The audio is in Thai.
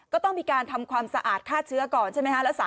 ก็ต้องมีการทำความสะอาดฆ่าเชื้อก่อนใช่ไหมคะ